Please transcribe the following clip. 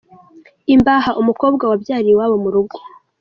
Imbaha : umukobwa wabyariye iwabo mu rugo.